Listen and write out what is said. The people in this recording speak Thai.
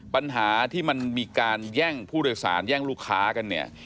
ปัญหาที่มันมีการแย่งผู้โดยสารแย่งลูกค้ากันเนี่ย